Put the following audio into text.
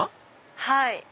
はい。